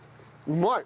うまい！